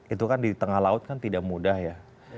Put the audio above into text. itu kan di tengah laut kan tidak mudah ya